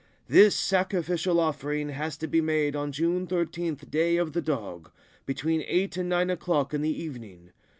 This sacrificial offering has to be made on June 13, Day of the Dog, between eight and nine o'clock in the evening.